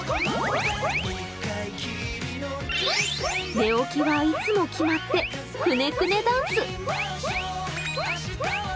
寝起きはいつも決まって、くねくねダンス。